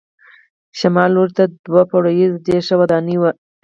شمال لور ته دوه پوړیزه ډېره ښه ودانۍ وه.